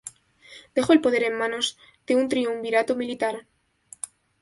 Dejó el poder en manos de un triunvirato militar.